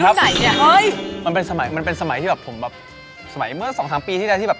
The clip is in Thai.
ก็จริงครับมันเป็นสมัยที่แบบผมแบบสมัยเมื่อสองสามปีที่แบบที่แบบ